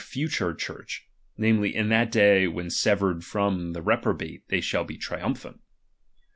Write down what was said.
future Church, namely, in that day ^H when severed from the reprobate they shall be ^H triumphant.